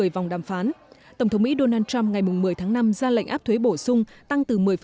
một mươi vòng đàm phán tổng thống mỹ donald trump ngày một mươi tháng năm ra lệnh áp thuế bổ sung tăng từ một mươi